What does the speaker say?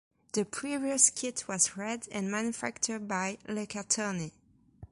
The previous kit was red and manufactured by Lacatoni.